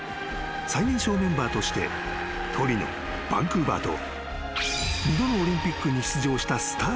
［最年少メンバーとしてトリノバンクーバーと二度のオリンピックに出場したスター選手だった］